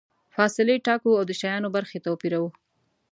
فاصلې ټاکو او د شیانو برخې توپیروو.